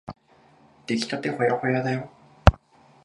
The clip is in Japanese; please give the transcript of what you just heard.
できたてほやほやだよ。